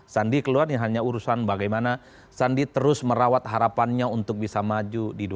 sandi keluar yang hanya urusan bagaimana sandi terus merawat harapannya untuk bisa maju di dua ribu dua puluh